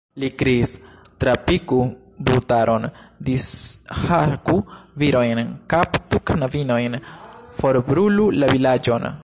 li kriis: trapiku brutaron, dishaku virojn, kaptu knabinojn, forbrulu la vilaĝon!